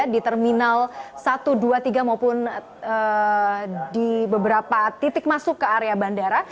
di terminal satu ratus dua puluh tiga maupun di beberapa titik masuk ke area bandara